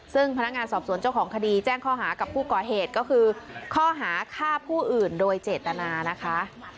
ซึ่งพนักงานสอบสวนเจ้าของคดีแจ้งข้อหากับผู้ก่อเหตุก็คือข้อหาฆ่าผู้อื่นโดยเจตนานะคะ